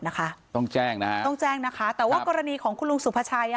นะคะต้องแจ้งนะฮะต้องแจ้งนะคะแต่ว่ากรณีของคุณลุงสุภาชัยอ่ะ